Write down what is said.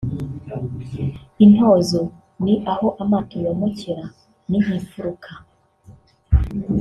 (intozo) Ni aho amato yomokera ni nk’imfuruka